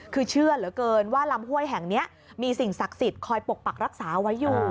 คือเชื่อเหลือเกินว่าลำห้วยแห่งนี้มีสิ่งศักดิ์สิทธิ์คอยปกปักรักษาไว้อยู่